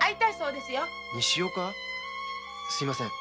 すみません